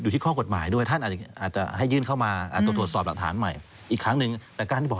ถ้าใหม่ท่านก็อาจจะรับไงครับ